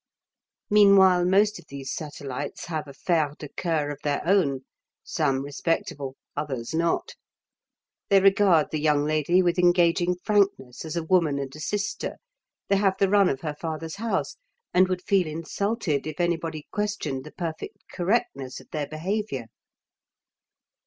Meanwhile, most of these satellites have affaires de coeur of their own, some respectable, others not; they regard the young lady with engaging frankness as a woman and a sister, they have the run of her father's house, and would feel insulted if anybody questioned the perfect correctness of their behaviour.